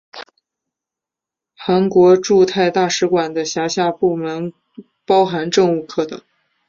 韩国驻泰大使馆的辖下部门包含政务课等。